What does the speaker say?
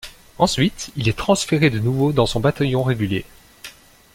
Ensuite, il est transféré de nouveau dans son bataillon régulier.